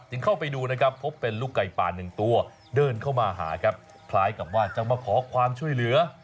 เข้าไปดูนะครับพบเป็นลูกไก่ป่าหนึ่งตัวเดินเข้ามาหาครับคล้ายกับว่าจะมาขอความช่วยเหลือ